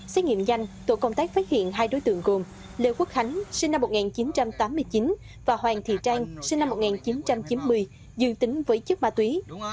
xét nghiệm nhanh tổ công tác phát hiện hai đối tượng gồm lê quốc khánh sinh năm một nghìn chín trăm tám mươi chín và hoàng thị trang sinh năm một nghìn chín trăm chín mươi dương tính với chất ma túy